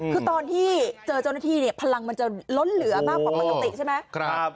คือตอนที่เจอเจ้าหน้าที่เนี่ยพลังมันจะล้นเหลือมากกว่าปกติใช่ไหม